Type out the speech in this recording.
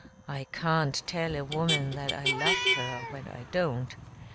I can't tell a woman that I love her when I don't.